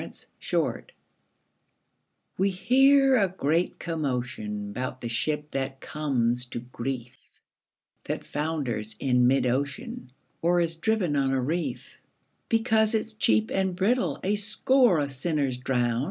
0 Autoplay We hear a great commotion 'Bout the ship that comes to grief, That founders in mid ocean, Or is driven on a reef; Because it's cheap and brittle A score of sinners drown.